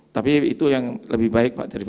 tapi itu yang lebih baik pak